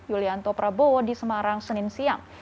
yulianto prabowo di semarang senin siang